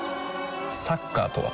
サッカーとは？